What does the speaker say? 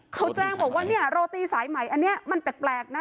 เขาแจ้งบอกว่าเนี่ยโรตีสายใหม่อันนี้มันแปลกนะ